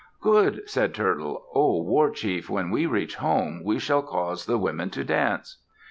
"Good!" said Turtle. "O war chief, when we reach home, we shall cause the women to dance."